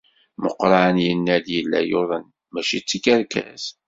Meqqran yenna-d yella yuḍen, maca d tikerkas.